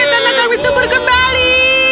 tanda kami subur kembali